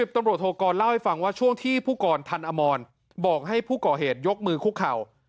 ตำรวจโทกรเล่าให้ฟังว่าช่วงที่ผู้กรทันอมรบอกให้ผู้ก่อเหตุยกมือคุกเข่า